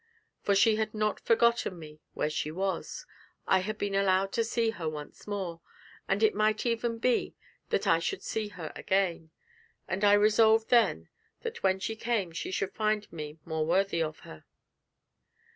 For she had not forgotten me where she was; I had been allowed to see her once more, and it might even be that I should see her again. And I resolved then that when she came she should find me more worthy of her.